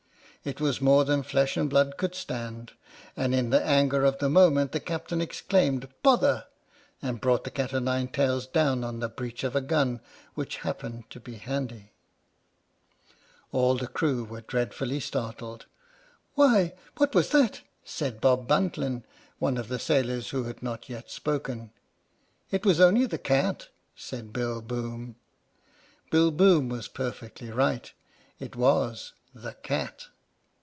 It was more than flesh and blood could stand, and, in the anger of the moment, the Captain exclaimed " Bother! " and brought the cat o' nine tails down on the breach of a gun which happened to be handy. All the crew were dreadfully startled. "Why! what was that?" said Bob Buntline, one of the sailors who had not yet spoken. " It was only the cat," said Bill Boom. Bill Boom was perfectly right. It was the " cat."